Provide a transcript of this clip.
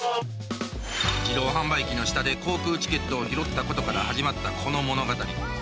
自動販売機の下で航空チケットを拾ったことから始まったこの物語。